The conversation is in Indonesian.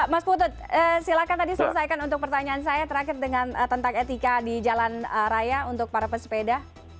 mas putut silakan tadi selesaikan untuk pertanyaan saya terakhir tentang etika di jalan raya untuk para pesepeda